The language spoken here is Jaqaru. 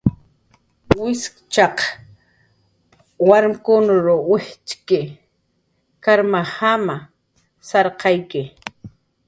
Wiskachaq warmkunmn wijtxki karmajamanmna, sarqaykiwa.